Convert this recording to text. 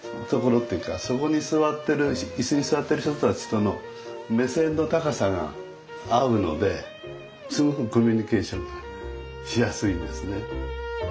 そこに座ってる椅子に座ってる人たちとの目線の高さが合うのですごくコミュニケーションがしやすいんですね。